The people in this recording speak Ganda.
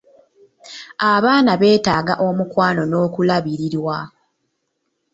Abaana beetaaga omukwano n'okulabirirwa.